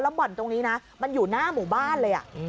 บ่อนตรงนี้นะมันอยู่หน้าหมู่บ้านเลย